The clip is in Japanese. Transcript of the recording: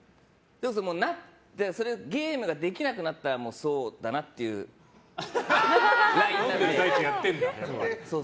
ゲームができなくなったらそうだなっていうラインなので。